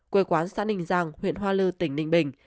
quê quán xã ninh giang huyện hoa lư tỉnh ninh bình